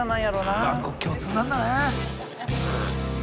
万国共通なんだね。